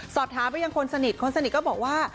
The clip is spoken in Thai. สอบถามไปยังคนสนิทคนสนิทก็บอกว่า